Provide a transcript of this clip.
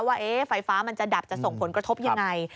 ว่าไฟฟ้ามันจะดับจะส่งผลกระทบยังไง